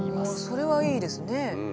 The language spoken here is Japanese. それはいいですね。